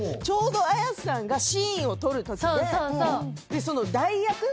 ちょうど綾瀬さんがシーンを撮るときでその代役。